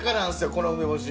この梅干し。